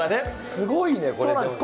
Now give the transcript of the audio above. すごいね、これでも。